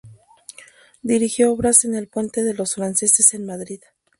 Dirigió obras en el Puente de los Franceses en Madrid.